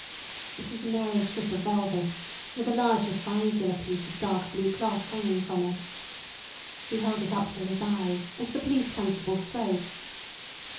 It was a narrow strip of velvet with a larger triangular piece of dark blue cloth hanging from it. He held it up to his eyes; and the police constable spoke.